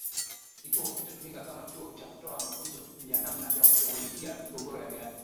Kituo kitatumika kama Chuo cha kutoa mafunzo ya namna ya kushughulikia migogoro ya mirathi